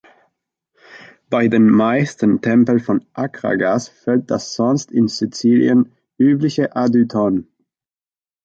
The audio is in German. Bei den meisten Tempeln von Akragas fehlt das sonst in Sizilien übliche Adyton.